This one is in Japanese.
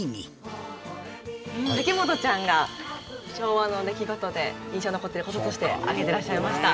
武元ちゃんが昭和の出来事で印象に残っている事として挙げていらっしゃいました。